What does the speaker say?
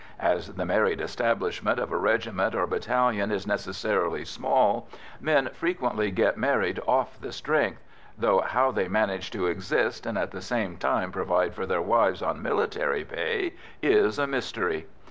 As the married establishment of a regiment or battalion is necessarily small, men frequently get married "off the strength," though how they manage to exist and at the same time provide for their wives on military pay is a mystery.